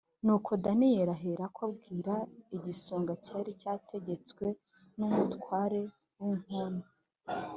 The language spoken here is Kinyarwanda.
Nuko Daniyeli aherako abwira igisonga cyari cyategetswe n’umutware w’inkone